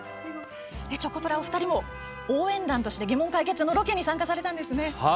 チョコプラのお二人も応援団として疑問解決のロケに参加されたんですね。